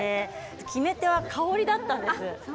決め手は香りだったんです。